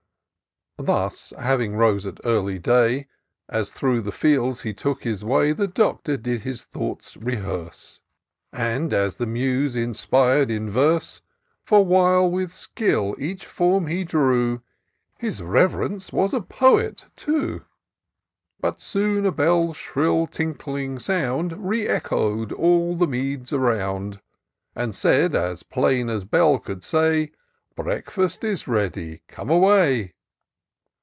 IN SEARCH OF THE PICTURESQUE. 163 Thus, having rose at early day, As through the fields he took his way. The Doctor did his thoughts rehearse, And, as the Muse inspir'd, in verse : For, while with skill each form he drew, His Rev'rence was a poet too. But soon a bell's shrill, tinkling sound Re echo'd all the meads around. And said, as plain as bell could say —" Breakfast is ready — come away."